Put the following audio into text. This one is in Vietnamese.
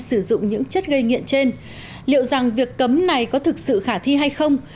sử dụng những chất gây nghiện trên liệu rằng việc cấm này có thực sự khả thi hay không